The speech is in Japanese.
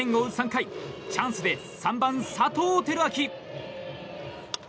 ３回チャンスで３番、佐藤輝明。